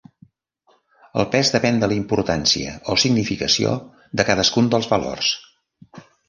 El pes depèn de la importància o significació de cadascun dels valors.